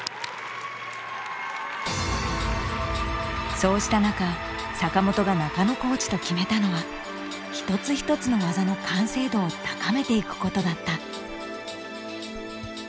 そうした中坂本が中野コーチと決めたのは一つ一つの技の完成度を高めていくことだった。